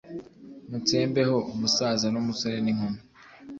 mutsembeho umusaza n umusore n inkumi